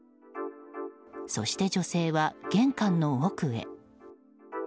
そして女性は玄関の奥へ。